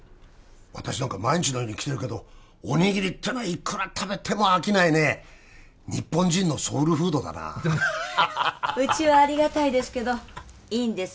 私なんか毎日のように来てるけどおにぎりってのはいくら食べても飽きないね日本人のソウルフードだなうちはありがたいですけどいいんですか？